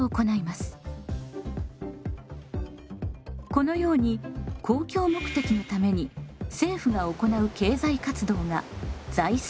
このように公共目的のために政府が行う経済活動が財政です。